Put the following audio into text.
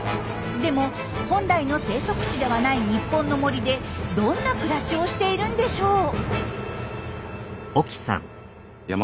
でも本来の生息地ではない日本の森でどんな暮らしをしているんでしょう。